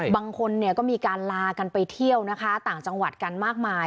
บางคนเนี่ยก็มีการลากันไปเที่ยวนะคะต่างจังหวัดกันมากมาย